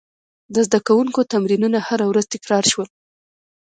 د زده کوونکو تمرینونه هره ورځ تکرار شول.